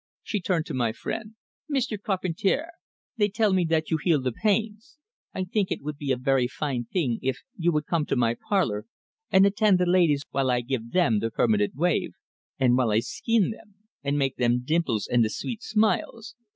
She turned to my friend. "Meester Carpentair, they tell me that you heal the pains. I think eet would be a vairy fine thing eef you would come to my parlor and attend the ladies while I give them the permanent wave, and while I skeen them, and make them the dimples and the sweet smiles.